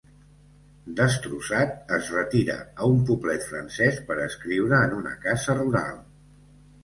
Destrossat, es retira a un poblet francès per escriure en una casa rural.